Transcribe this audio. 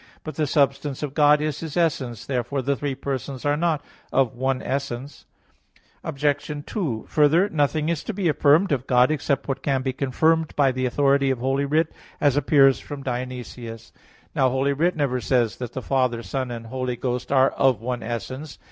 But the substance of God is His essence. Therefore the three persons are not of one essence. Obj. 2: Further, nothing is to be affirmed of God except what can be confirmed by the authority of Holy Writ, as appears from Dionysius (Div. Nom. i). Now Holy Writ never says that the Father, Son and Holy Ghost are of one essence.